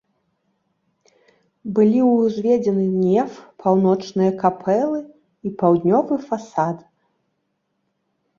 Былі ўзведзены неф, паўночныя капэлы і паўднёвы фасад.